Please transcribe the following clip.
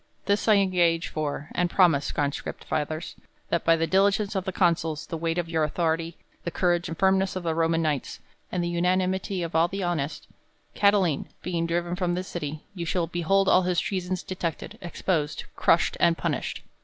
This I engage for, and promise, conscript fathers, that by the diligence of the consuls, the weight of } our authority, the courage and firmness of the Roman knigjits, and the unanimity of all the honest, Catiline being driven from the city, you shall behold all his 1 reasons detected, exposed, crushed, and punished.